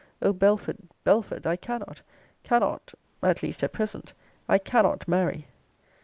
O Belford, Belford! I cannot, cannot (at least at present) I cannot marry.